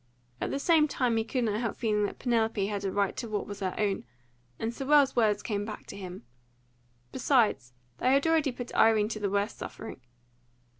At the same time he could not help feeling that Penelope had a right to what was her own, and Sewell's words came back to him. Besides, they had already put Irene to the worst suffering.